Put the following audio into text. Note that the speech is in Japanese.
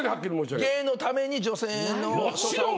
芸のために女性の所作を。